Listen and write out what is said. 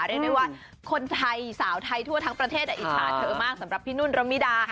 เรียกได้ว่าคนไทยสาวไทยทั่วทั้งประเทศอิจฉาเธอมากสำหรับพี่นุ่นระมิดา